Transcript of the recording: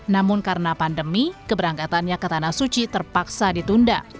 namun karena pandemi keberangkatannya ke tanah suci terpaksa ditunda